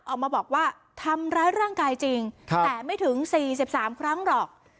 ออกมาบอกว่าทำร้ายร่างกายจริงแต่ไม่ถึง๔๓ครั้งหรอก